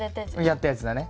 やったやつだね